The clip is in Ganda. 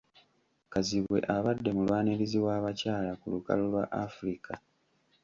Kazibwe abadde mulwanirizi w'abakyala ku lukalu lwa Africa